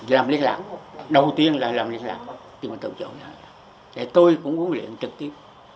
làm liên lạc đầu tiên là làm liên lạc tôi cũng huấn luyện trực tiếp